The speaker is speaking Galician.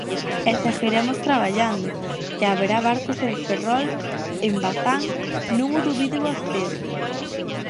E seguiremos traballando, e haberá barcos en Ferrol en Bazán, non o dubide vostede.